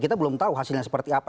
kita belum tahu hasilnya seperti apa